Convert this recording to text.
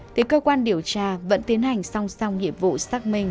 thì cơ quan điều tra vẫn tiến hành song song nhiệm vụ xác minh